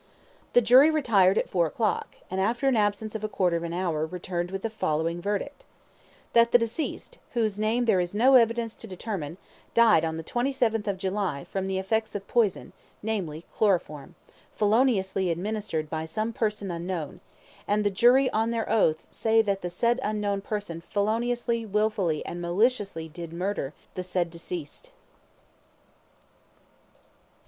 The jury retired at four o'clock, and, after an absence of a quarter of an hour, returned with the following verdict: "That the deceased, whose name there is no evidence to determine, died on the 27th day of July, from the effects of poison, namely, chloroform, feloniously administered by some person unknown; and the jury, on their oaths, say that the said unknown person feloniously, wilfully, and maliciously did murder the said deceased."